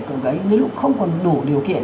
cơ gấy đến lúc không còn đủ điều kiện